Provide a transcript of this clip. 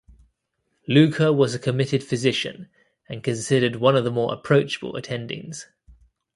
Luka was a committed physician, and considered one of the more approachable attendings.